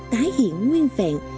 tái hiện nguyên vẹn